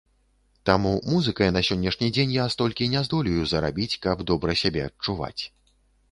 Таму музыкай на сённяшні дзень я столькі не здолею зарабіць, каб добра сябе адчуваць.